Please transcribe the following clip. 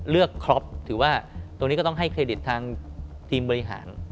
ครอบถือว่าตรงนี้ก็ต้องให้เครดิตทางทีมบริหาร